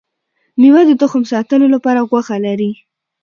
ميوه د تخم ساتلو لپاره غوښه لري